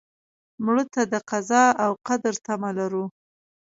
مړه ته د قضا او قدر تمه لرو